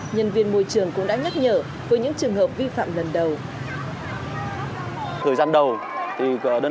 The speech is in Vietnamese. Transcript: nhân viên môi trường cũng đã nhắc nhở với những trường hợp vi phạm lần đầu